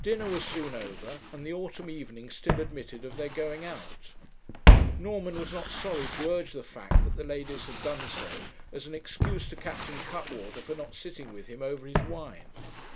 Dinner was soon over, and the autumn evening still admitted of their going out. Norman was not sorry to urge the fact that the ladies had done so, as an excuse to Captain Cuttwater for not sitting with him over his wine.